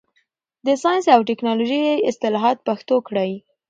د ساینس او ټکنالوژۍ اصطلاحات پښتو کړئ.